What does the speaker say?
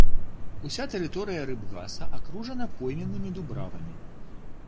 Уся тэрыторыя рыбгаса акружана пойменнымі дубравамі.